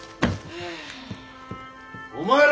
お前ら！